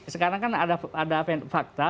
sekarang kan ada fakta